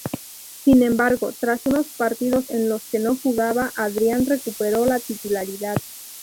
Sin embargo, tras unos partidos en los que no jugaba, Adrián recuperó la titularidad.